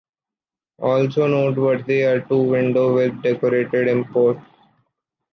Also noteworthy are two windows with decorated imposts.